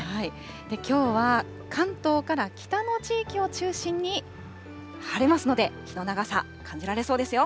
きょうは関東から北の地域を中心に晴れますので、日の長さ、感じられそうですよ。